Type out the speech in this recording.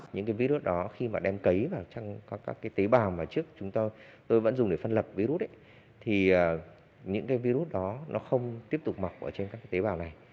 những cái virus đó khi mà đem cấy vào trong các tế bào mà trước chúng tôi tôi vẫn dùng để phân lập virus thì những cái virus đó nó không tiếp tục mọc ở trên các tế bào này